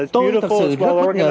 tôi thật sự rất bất ngờ